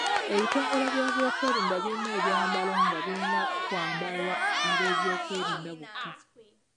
Ebitongole by'ebyokwerinda birina ebyambalo nga birina kwambalwa ab'ebyokwerinda bokka.